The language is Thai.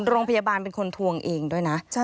โรงพยาบาลเป็นคนทวงเองด้วยนะ